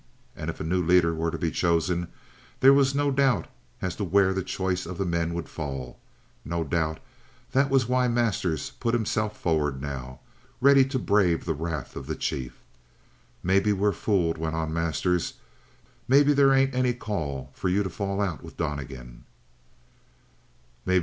And if a new leader were to be chosen there was no doubt as to where the choice of the men would fall. No doubt that was why Masters put himself forward now, ready to brave the wrath of the chief. "Maybe we're fooled," went on Masters. "Maybe they ain't any call for you to fall out with Donnegan?"